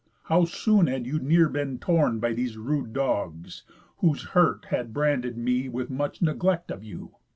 How soon had you near been torn By these rude dogs, whose hurt had branded me With much neglect of you!